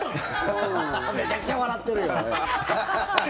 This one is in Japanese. めちゃくちゃ笑ってるよ。